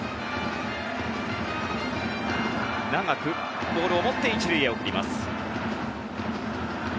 長くボールを持って１塁へ送ります。